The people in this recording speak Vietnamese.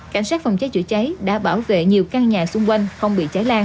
cảnh sát phòng cháy chữa cháy đã bảo vệ nhiều căn nhà xung quanh không bị cháy lan